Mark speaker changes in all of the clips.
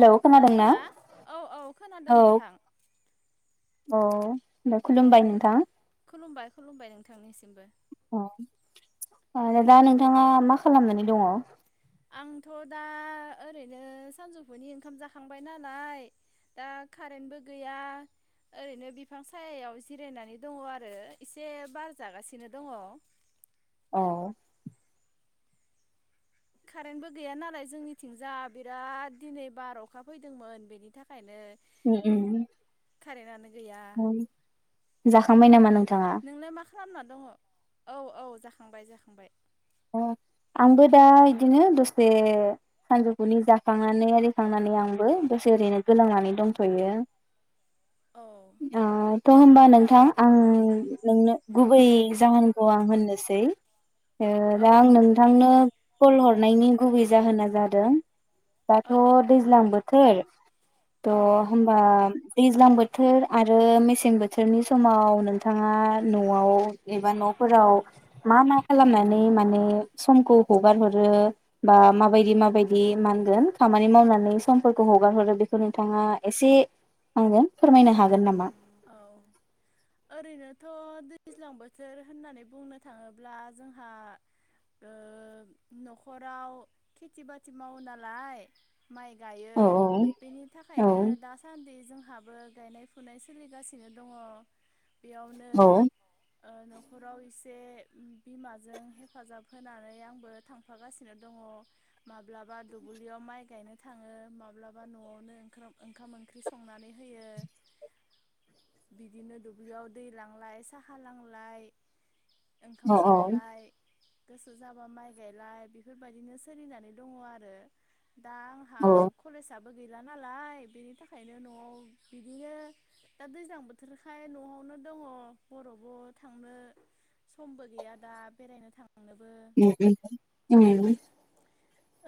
Speaker 1: औ खोनादोंना औ औ खोनादों नोंथां
Speaker 2: अ खुलुमबाय नोंथां
Speaker 1: खुुलुमबाय नोंथांनिसिम [unintelligible] बा
Speaker 2: ओ दा नोंथाङा मा खालामनानै दङ
Speaker 1: आंथ' दा ओरैनो सानजौफुनि ओंखाम जाखांबाय नालाय दा कारेन्टबो गैया ओरैनो बिफां सायायाव जिरायनानै दङ आरो एसे बार जागासिनो दङ
Speaker 2: औ
Speaker 1: कारेन्टबो गैया नालाय जोंनिथिंजा बिराद दिनै बार अखा फैदोंमोन बेनि थाखायनो कारेन्ट आनो गैया नोंलाय मा खालामना दङ औ औ जाखांबाय जाखांबाय
Speaker 2: ओ आंबो दा इदिनो दसे सानजौफुनि जाखांनानै आरिखांनानै आंबो दसे ओरैनो गोलांनानै दंथ'यो ओ थ' होनबा नोंथां आं नोंनो गुबै जाहोनखौ आं होननो सै ओ दा आं नोंथांनो कल हर नायनि गुबै जाहोना जादों दाथ' दैज्लां बोथोर त' होमबा दैज्लां बोथोर आरो मेसें बोथोरनि समाव नोंथाङा न'आव एबा न'फोराव मा मा खालामनानै समखौ हगार हरो बा माबायदि माबायदि मा होनगोन खामानि मावनानै समफोरखौ हगार हरो बेखौ नोंथाङा एसे फोरमायनो हागोन
Speaker 1: औ ओरैनो थ' दैज्लां बोथोर होननानै बुंनो थाङोब्ला जोंहा न'खराव खेथि बाथि मावो नालाय माइ गायो बेनि थाखायनो दासान्दि जोंहाबो गायनाय फुनाय सोलिगासिनो दङ बेयावनो न'खराव एसे बिमाजों हेफाजाब होनानै आंबो थांफागासिनो दङ माब्लाबा दुब्लियाव माइ गायनो थाङो माब्लाबा न'आवनो ओंखाम ओंख्रि संनानै होयो बिदिनो दुब्लियाव दै लांलाय साहा लांलाय ओंखाम संलाय गोसो जाबा माइ गायलाय बेफोरबायदिनो सोलिनानै दङ आरो दा आंहा कलेज आबो गैला नालाय बेनि थाखायनो न'आव बिदिनो दा दैज्लां बोथोरखाय न'आवनो दङ बबावबा'बो थांनो समबो गैया दा बेरायनो थांनोबो
Speaker 2: उम उम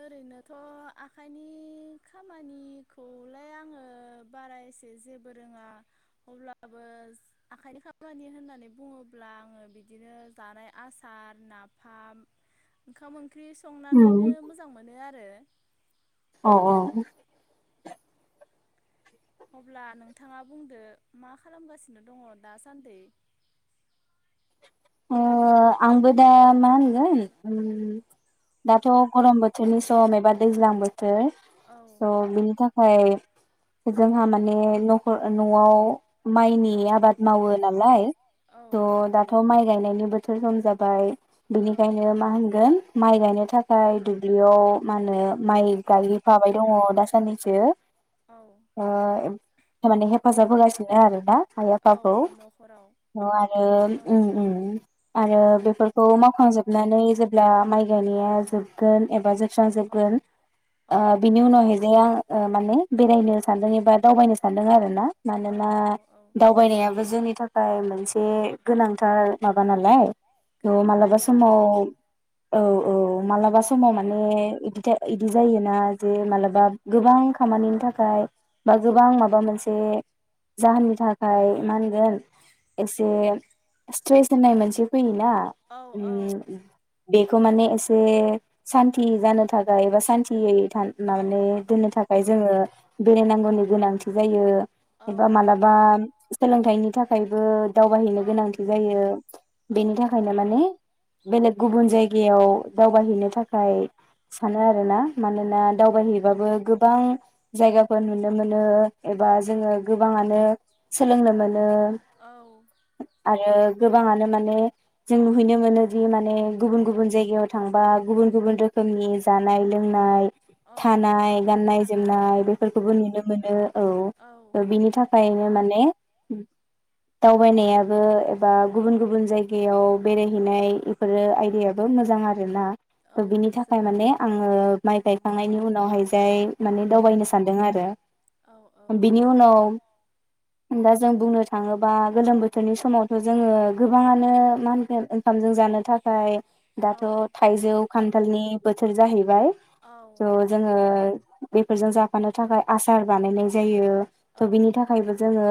Speaker 1: ओरैनोथ' आखाइनि खामानिखौलाय आङो बारा एसे जेबो रोङा अब्लाबो आखाइनि खामानि होननानै बुङोब्ला आङो बिदिनो जानाय आसार नाफाम ओंखाम ओंख्रि ओंख्रि संनानैनो मोनो आरो
Speaker 2: औ औ
Speaker 1: अब्ला नोंथाङा बुंदो मा खालामगासिनो दङ दासान्दि
Speaker 2: अ आंबो दा मा होनगोन उम दाथ' गरम बोथोरनि सम एबा दैज्लां बो थोर स' बिनि था खाय जोंहा माने नखर न'आव माइनि आबाद मावो नालाय त' दाथ' माइ गायनायनि बोथोर सम जाबाय बेनिखायनो मा होनगोन माइ गायनो थाखाय दुब्लियाव मा होनो माइ गायहैफाबाय दङ दा साननैसो ओ [unintelligible] हेफाजाब होगासिनो आरो ना आइ आफाखौ ओ आरो उम आरो बेफोरखौ मावखांजोबनानै जेब्ला माइ गायनाया जोबगोन एबा जोब सुस्रांजोबगोन ओ बिनि उनावहाय जे आं ओ माने बेरायनो सानदों एबा दावबायनो सानदों आरो ना मानोना दावबायनायाबो जोंनि थाखाय मोन से गोनां थार माबा नालाय थ मालाबा समाव औ औ मालाबा समाव माने आदि [unintelligible] बिदि जायोना जे मालाबा गोबां खामानिनि थाखाय बा गोबां माबा मोनसे जाहोननि थाखाय मा [unintelligible] एसे [unintelligible] मानसे फैयो ना उम बेखौ माने एसे सान्ति जानो थाखाय एबा सान्तियै [unintelligible] माने दोननो थाखाय जोङो बेरायनांगौनि गोनांथि जायो एबा मालाबा सोलोंथाइनि था खायबो दावबायहैनो गोनां जायो बेनि थाखायनो माने बेलेग गुबुन जायगायाव दावबायहैनो थाखाय सानो आरो ना मानोना दावबायहैबाबो गोबां जायगाफोर नुनो मोनो एबा जोङो गोबाङानो सोलोंनो मोनो [unintelligible] आरो गोबाङानो माने जों नुहैनो मोनोदि माने गुबुन गुबुन जायगायाव थांबा गुबुन गुबुन रोखोमनि जानाय लोंनाय थानाय गाननाय जोमनाय बेफोरखौबो नुनो मोनो औ बिनि थाखाय माने दावबायनाया बो एबा गुबुन गुबुन जायगायाव बेरायहैनाय इफोरो आयदायाबो मोजां आरो ना त बिनि थाखाय माने आङो माइ गायखांनायनि उनावहाय जाय माने दावबायनो सानदों आरो बिनि उनाव दा जों बुंनो थाङोबा गोलोम बोथोर बोथोरनि समावथ' जोङो गोबाङानो मा ओंखामजों जानो थाखाय दाथ' थाइजौ खान्थालनि बोथोर जाहैबाय थ जोङो बेफोरजों जाफानो थाखाय आसार बानायनाय जायो थ' बिनि थाखायबो जोङो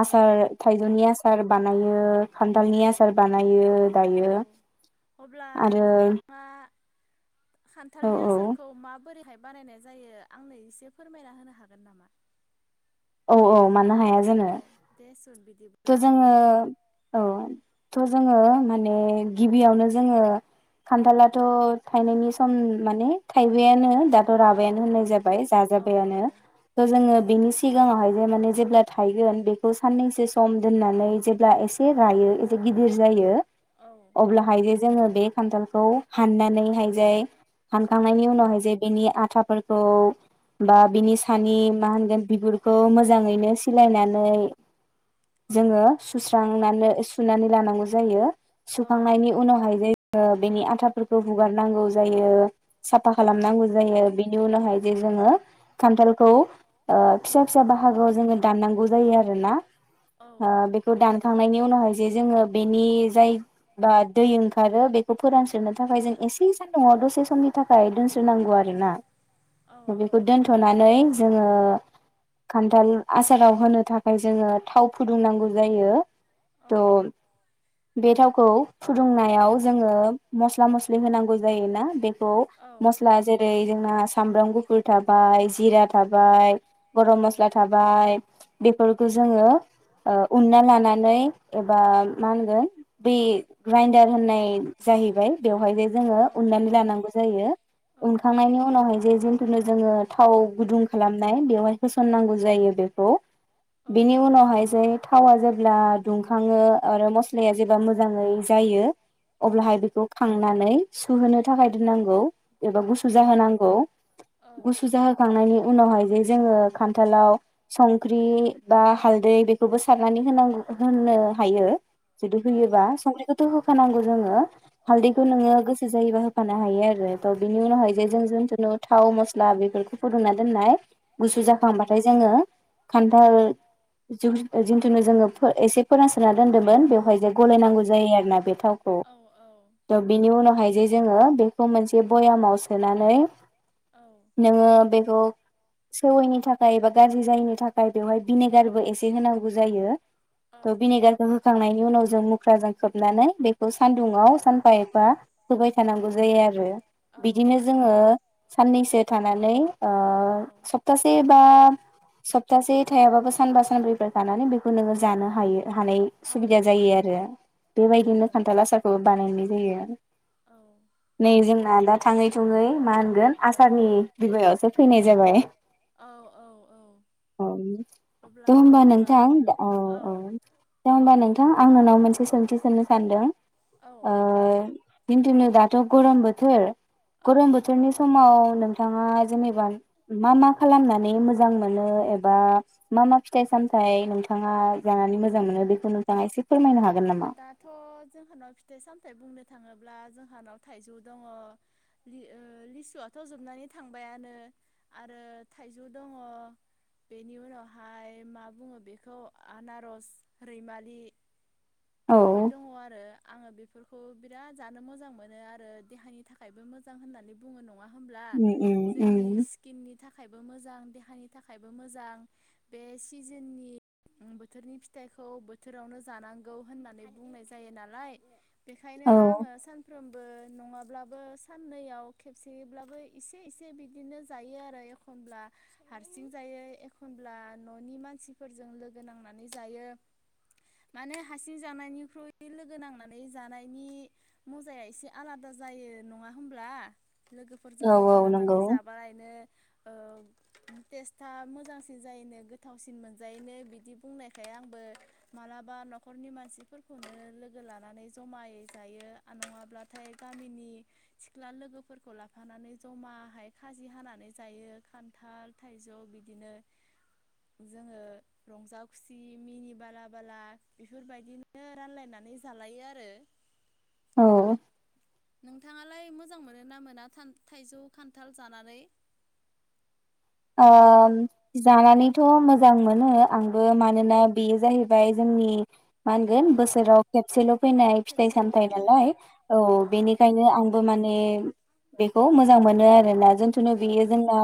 Speaker 2: आसार थाइजौनिया सार बानायो खान्थालनिया आसार बानाय यो दायो आरो
Speaker 1: खान्थालनि आसारखौ माबोरैहाय बानायनाय जायो आंनो एसे फोरमायना होनो हागोन नामा
Speaker 2: औ औ
Speaker 1: औ देसुन बिदि
Speaker 2: थ' जोङो औ थ' जोङो माने गिबियावनो जोङो खान्थालाथ' थायनायनि सम माने थाइबायानो दाथ' राबायानो होननाय जाबाय जाजाबायानो थ जोङो बिनि सिगाङावहायनो माने जेब्ला थायगोन बेखौ सनैसो सम दोननानै जेब्ला एसे रायो एसे गिदिर जायो अब्लाहायो जोङो बे खान्थालखौ हाननानैहायजाय हानखांनायनि उनावहाय जे बिनि आथाफोरखौ बा बिनि सानि मा होनगोन बिगुरखौ मोजाङैनो सिलायनानै जोङो सुस्रांनानै सुनानै लानांगौ जायो सुखांनायनि उनावहाय बेनि आथाफोरखौ हुगारनांगौ जायो साफा खालामनांगौ जायो बिनि उनावहाय बिदि जोङो खान्थालखौ ओ फिसा फिसा बाहागोआव जोङो दाननांगौ जायो आरो ना ओ बेखौ दानखांनायनि उनावहाय जे जोङो बेनि जाय बा दै ओंखारो बेखौ फोरानसारनो थाखाय जों एसे सान्दुंआव दसे समनि थाखाय दोनस्रोनांगौ आरो ना बेखौ दोनथ'नानै नै जोङो दाल आसाराव होनो थाखाय जोङो थाव बुंनांगौ जायो थ' बेथावखौ फुदुंनायाव जोङो मस्ला मस्लि होनांगौ जोना बेखौ मस्ला जेरै जोंना साब्राम गुफुर थाबाय जिरा थाबाय गरम मस्ला थाबाय बेफोरखौ जोङो ओ उनना लानानै एबा मा होनगोन बे ग्राइडार होननाय जाहैबाय बेवहायनो जोङो उन्नानै लानांगौ जायो उनखांनायनि उनावहाय जे जिथुु जोङो थाव गुदुं खालामनाय बेवहाय होसननांगौ जायो बेखौ बेनि उनावहाय बाय थावा जेब्ला दुंखाङो आरो मस्लाया जेब्ला मोजाङै जायो अब्लाहाय बेखौ खांनानै सुहोनो थाखाय दोननांगौ एबा गुसु जाहोनांगौ गुसु जाहोखांनायनि उनावहाय जोङो खान्थालाव संख्रि बा हालदै [unintelligible] सारनानै होनांगौ होनो हायो जुदि होयोबा संख्रिखौथ' होफानांगौ जोङो हालदैखो नोङो गोसो जायोबा होफानो हायो ओ बिनि उनावहाय जे जों जुखुनु थाव मस्ला बेफोरखौ फुदुंना दोननाय गुसु जाखांबाथाय जोङो खान्थाल जु जिन्थु जोङो एसे फोरानसारना दोन्दोंमोन बेवहाय जे गलायनांगौ जायो आरोना बे थावखौ त बिनि उनावहाय जे जोङो बेखौ मोनसे बयामाव नोङो बेखौ सेवैनि थाखाय एबा गाज्रि जायैनि थाखाय बेवहाय भिनेगारबो एसे होनांगौ हो जायो त भिनेगारजों होखांनायनि उनाव जों मुख्राजों खोबनानै बेखौ सानदुुंयाव सानफा एफा होबाय थानांगौ जायो आरो बिदिनो जोङो साननैसो थानानै ओ सप्तासे बा सप्तासे थायाबाबो सानबा सानब्रैफोर थानानै बेखौ नोङो जानो हायो हानाय सुबिदा जायो आरो बेबायदिनो खान्थाल आसारखौ बानायनाय जायो नै जोंना दा थाङै थुङै मा होनगोन आसारनि बिबायावसो फैनाय जाबाय दे होनोमबा नों नोंथां औ औ दे होमबा नोंथां आं नोंनाव मोनसे सोंथि सोंनो सानदों
Speaker 1: औ
Speaker 2: दिनतुनो दाथ गरम बोथोर गरम बोथोरनि समाव नों थाङा जेनेबा मा मा खालामनानै मोजां मोनो एबा मा मा फिथाइ सामथाइ ओमफ्राय नोंथाङा जानानै मोजां मोनो बेखौ नोंथाङा एसे फोरमायनो हाग
Speaker 1: दाथ जोंहानाव फिथाइ सामथाइ बुंनो थाङोब्ला जोंहानाव थाइजौ दङ ओ लिसुआथ जोबनानै थांबायानो आरो थाइजौ दङ बेनि उनावहाय मा बुङो बेखौ आनारस रैमालि बेफोर दङ आरो आङो बेफोरखौ बिराद जानो मोजां मोनो आरो देहानि थाखायबो मोजां होननानै बुङो नङा नङा होमब्ला थाखायबो मोजां देहानि थाखायबो मोजां बे सिजोननि बोथोरनि फिथाइखौ बोथोरावनो जानां गौ होननानै बुंनाय जायो नालाय बेखायनो आङो सानफ्रोम बो नङाब्लाबो साननैयाव खेबसेब्लाबो इसे इसे बिदिनो जायो आरो एखनब्ला हारसिं जायो एखनब्ला ननि मानसिफोरजों लोगो नांनानै जायो माने हारसिं जानायनिख्रुइ लोगो नांनानै जानायनि मजाया एसे आलादा जायो नङा होमब्ला लोगोफोरजों लोगो नांनानै जाब लायनो टेस्टआ मोजांसिन जायोनो गोथावसिन मोनजायोनो बिदि बुंनायखाय आंबो मालाबा नखरनि मानसिफोरखौनो लोगो लानानै जमायै जायो आरो नङाब्लाथाय गामिनि सिख्ला लोगोफोरखौ लाफानानै जमाहाय खाजि हानानै जायो खान्थाल थाइजौ बिदिनो जोङो रंजा खुसि मिनि बाला बाला बेफोरबायदिनो रानलायनानै जालायो आरो
Speaker 2: औ
Speaker 1: नोंथाङालाय मोजां मोनो ना मोना थान थाइजौ खान्थाल जानानै
Speaker 2: ओ जानानैथ' मोजां मोनो आंबो मानोना बेयो जाहैबाय जोंनि मा होनगोन बोसोराव खेबसेल' फैनाय फिथाइ सामथायाइ नालाय औ बेनिखायनो आंबो माने बेखौ मोजां मोनो आरोना जोंथनो बियो जोंना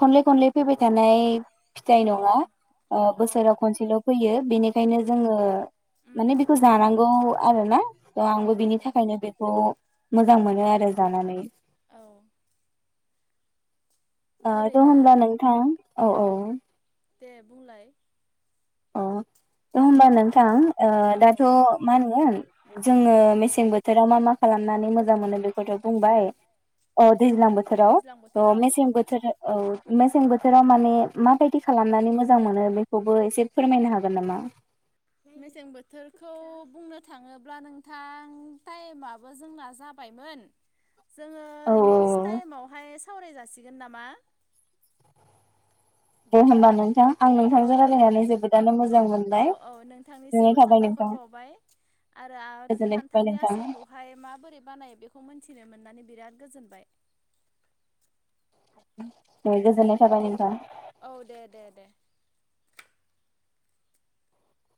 Speaker 2: खनले खनले फैबाय थानाय फिथाइ नङा ओ बोसोराव खनसेल' फैयो बेनिखायनो जोङो माने बेखौ जानांगौ आरो ना थ' आंबो बिनि थाखायनो बेखौ मोजां मोनो आरो जानानै
Speaker 1: औ
Speaker 2: ओ द' होनोमब्ला नोंथां औ औ
Speaker 1: दे बुंलाय
Speaker 2: अ होनोमबा नोंथां ओ दाथ' मा होनगोन जोङो मेसें बोथोराव मा मा खालामनानै मोजां मोनो बे थ' बुंबाय औ दैज्लां बोथोराव अ मेसें बोथोर औ मेसें बोथोराव माने माबायदि खालामनानै मोजां मोनो बेखौबो एसे फोरमायनो हागोन नामा
Speaker 1: मेसें बोथोरखौ बुंनो थाङोब्ला नोंथां टाइमाबो जोंना जाबायमोन जोङो नेक्स्ट टाइमावहाय सावराय जासिगोन नामा?
Speaker 2: दे होमबा नोंथां।
Speaker 1: औ औ औ। नोंथांनिसिमबो साबायखर बाउबाय आरो खान्थालनि आसारखौहाय माबोरै बानायो बेखौ मिथि थिनो मोननानै बिराद गोजोनबाय।
Speaker 2: गोजोननाय थाबाय नोंथां।
Speaker 1: औ दे दे दे।